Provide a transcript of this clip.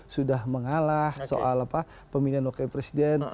sudah mengalah soal pemilihan wakil presiden